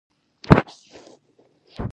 د کونړ په خاص کونړ کې څه شی شته؟